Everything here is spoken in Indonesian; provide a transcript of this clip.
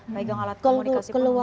baik dengan alat komunikasi keluar